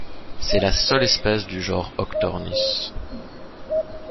C'est la seule espèce du genre Ochthornis.